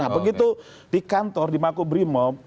begitu di kantor di makubrimob